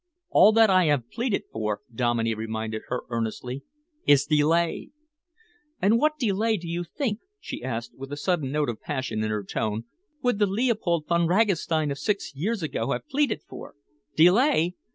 "All that I have pleaded for," Dominey reminded her earnestly, "is delay." "And what delay do you think," she asked, with a sudden note of passion in her tone, "would the Leopold Von Ragastein of six years ago have pleaded for? Delay!